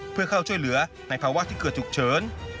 เพื่อเข้าช่วยเหลือในภาวะที่เกิดฉุกเฉิน